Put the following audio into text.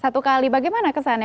satu kali bagaimana kesannya